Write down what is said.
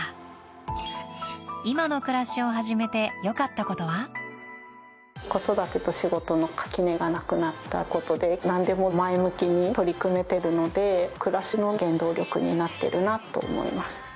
することでいつでも仕事できる子育てと仕事の垣根がなくなったことで何でも前向きに取り組めてるので暮らしの原動力になってるなと思います。